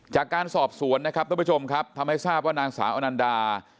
จากการสอบสวนนะครับทุกผู้ชมครับทำให้ทราบว่านางสาวอนันดา